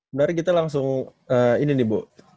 menarik kita langsung ini nih bu